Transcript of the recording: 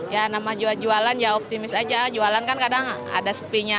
ya nama jual jualan ya optimis aja jualan kan kadang ada sepinya